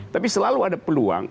tapi selalu ada peluang